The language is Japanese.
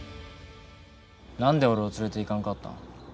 何で俺を連れて行かんかった？